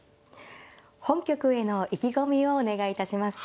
本局への意気込みをお願いいたします。